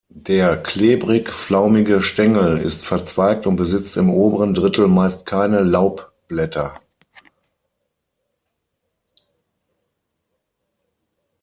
Der klebrig-flaumige Stängel ist verzweigt und besitzt im oberen Drittel meist keine Laubblätter.